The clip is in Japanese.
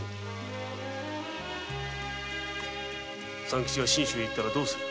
三吉が信州へ行ったらどうする？